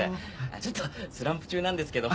ちょっとスランプ中なんですけど。